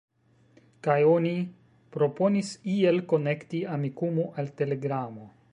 Kaj oni proponis iel konekti Amikumu al Telegramo.